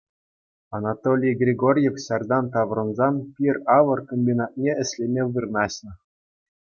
Анатолий Григорьев ҫартан таврӑнсан пир-авӑр комбинатне ӗҫлеме вырнаҫнӑ.